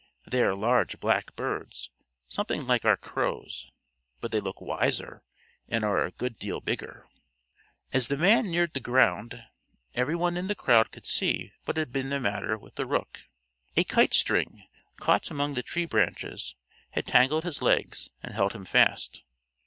They are large black birds, something like our crows, but they look wiser, and are a good deal bigger. As the man neared the ground, every one in the crowd could see what had been the matter with the rook. A kite string, caught among the tree branches, had tangled his legs and held him fast.